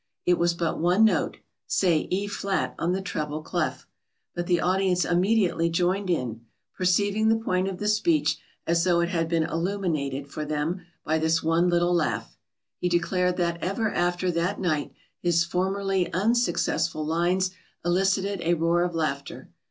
It was but one note say E flat on the treble clef but the audience immediately joined in, perceiving the point of the speech as though it had been illuminated for them by this one little laugh. He declared that ever after that night his formerly unsuccessful "lines" elicited a roar of laughter.